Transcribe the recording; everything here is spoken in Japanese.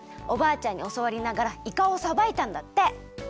おばあちゃんにおそわりながらイカをさばいたんだって。